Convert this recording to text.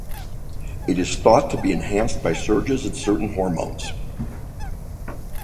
It is thought to be enhanced by surges in certain hormones.